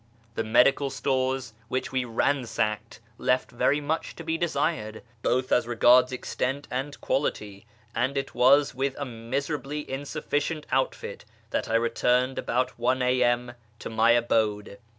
The medical stores, which we ransacked, eft very much to be desired, both as regards extent and [uality, and it was with a miserably insufficient outfit that I eturned about 1 a.m. to my abode.